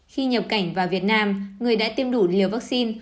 khi nhập cảnh vào việt nam người đã tiêm đủ liều vaccine